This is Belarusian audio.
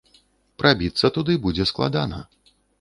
Прабіцца туды будзе складана.